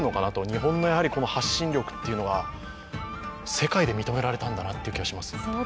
日本の発信力というのが世界で認められたんだなという気がします。